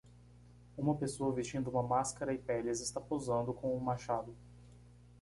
Uma pessoa vestindo uma máscara e peles está posando com um machado.